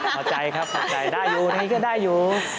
พอใจครับได้อยู่นี่ก็ได้อยู่